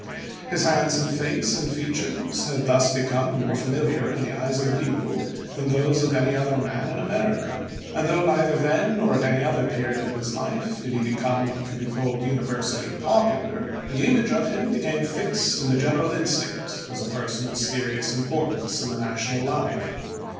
His handsome face and fea tures had thus become more familiar in the eyes of the people than those of any other man in America ; 396 ABRAHAM LINCOLN ch. xvii. and though neither then nor at any other period of his life did he become what could be called univer sally popular, the image of him became fixed in the general instinct as a person of serious importance in the national life.